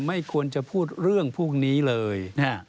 ไม่ควรจะพูดเรื่องพวกนี้เลย